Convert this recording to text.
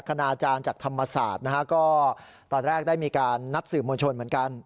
คณาจารย์จากธรรมศาสตร์นะฮะก็ตอนแรกได้มีการนัดสื่อมวลชนเหมือนกัน